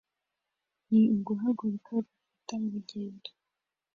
ni uguhaguruka ugafata urugendo